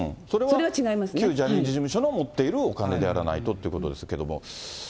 それは旧ジャニーズ事務所が持っているお金でやらないとということですけれども。